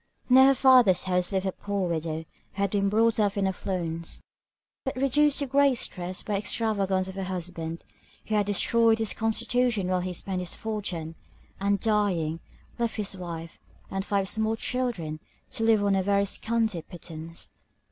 Near her father's house lived a poor widow, who had been brought up in affluence, but reduced to great distress by the extravagance of her husband; he had destroyed his constitution while he spent his fortune; and dying, left his wife, and five small children, to live on a very scanty pittance.